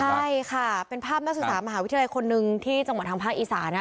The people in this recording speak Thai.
ใช่ค่ะเป็นภาพนักศึกษามหาวิทยาลัยคนหนึ่งที่จังหวัดทางภาคอีสานนะ